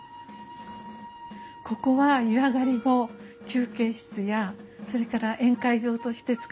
ここは湯上がり後休憩室やそれから宴会場として使われていました。